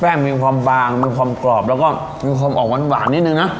มีความบางมีความกรอบแล้วก็มีความออกหวานนิดนึงนะ